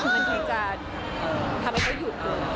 มันก็จะทำให้เขาหยุดดู